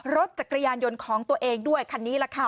รถจักรยานยนต์ของตัวเองด้วยคันนี้แหละค่ะ